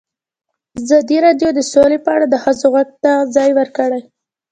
ازادي راډیو د سوله په اړه د ښځو غږ ته ځای ورکړی.